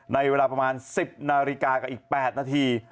ในเวลาประมาณ๑๐นาฬิกากับอีก๘นาที